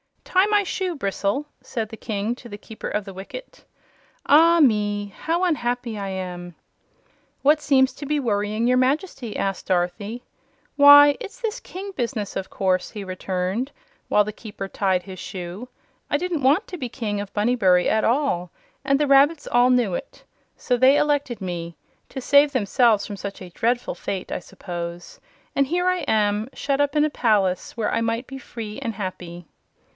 "Tie my shoe, Bristle," said the King to the Keeper of the Wicket. "Ah me! how unhappy I am!" "What seems to be worrying your Majesty?" asked Dorothy. "Why, it's this king business, of course," he returned, while the Keeper tied his shoe. "I didn't want to be King of Bunnybury at all, and the rabbits all knew it. So they elected me to save themselves from such a dreadful fate, I suppose and here I am, shut up in a palace, when I might be free and happy."